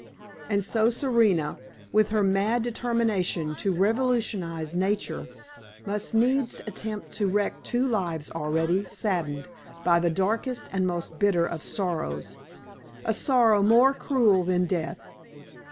And so Serena, with her mad determination to revolutionize nature, must needs attempt to wreck two lives already saddened by the darkest and most bitter of sorrows a sorrow more cruel than death.